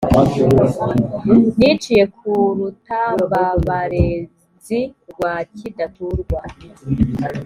Niciye ku Rutambabarenzi rwa Kidaturwa